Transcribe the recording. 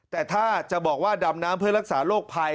แต่ถ้าจะบอกว่าดำน้ำเพื่อรักษาโรคภัย